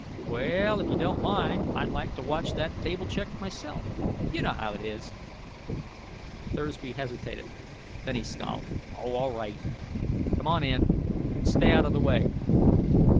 Well, if you don't mind, I'd like to watch that table check myself. You know how it is." Thursby hesitated, then he scowled. "Oh, all right. Come on in. But stay out of the way."